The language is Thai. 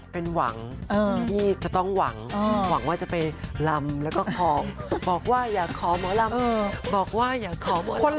เพราะว่าจะได้ยังไม่มีใคร